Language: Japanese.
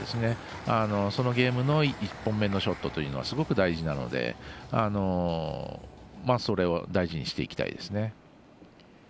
そのゲームの１本目のショットというのはすごく大事なのでそれを大事にしていきたいですね。